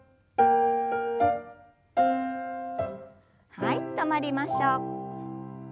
はい止まりましょう。